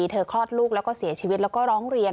คลอดลูกแล้วก็เสียชีวิตแล้วก็ร้องเรียน